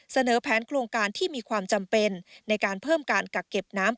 เสนอแผนโครงการที่มีความจำเป็นในการเพิ่มการกักเก็บน้ำ